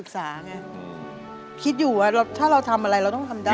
ตะกอยเก่งมั้ยคะ